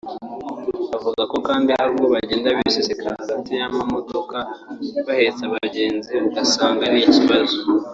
Avuga kandi ko hari ubwo bagenda biseseka hagati y’amamodoka kandi bahetse abagenzi ugasanga ni ikibazo